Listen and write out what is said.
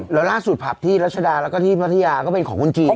แล้วล่าสูตรผับที่รัชดาแล้วก็ที่ประทยาก็เป็นของคนจีนด้วย